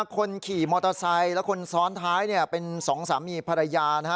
คนขี่มอเตอร์ไซค์และคนซ้อนท้ายเป็นสองสามีภรรยานะฮะ